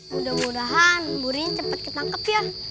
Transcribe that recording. mudah mudahan bu lanti cepet kita nangkep ya